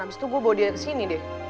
abis itu gue bawa dia kesini deh